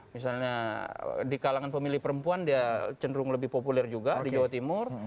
misalnya di kalangan pemilih perempuan dia cenderung lebih populer juga di jawa timur